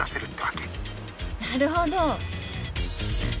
なるほど！